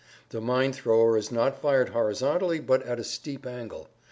The mine thrower is not fired horizontally but at a steep angle.